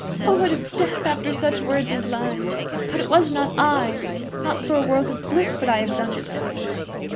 Oh, what is death after such words as thine? But it was not I. Not for a world of bliss would I have done it."